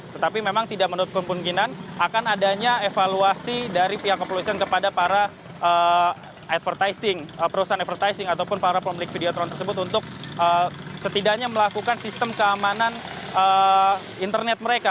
tetapi memang tidak menurut kemungkinan akan adanya evaluasi dari pihak kepolisian kepada para advertising perusahaan advertising ataupun para pemilik videotron tersebut untuk setidaknya melakukan sistem keamanan internet mereka